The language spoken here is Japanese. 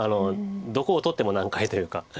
どこをとっても難解というか。